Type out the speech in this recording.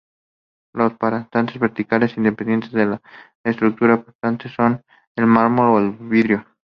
Los paramentos verticales, independizados de la estructura portante, son de mármol o de vidrio.